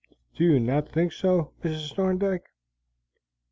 Do you not think so, Mrs. Thorndyke?"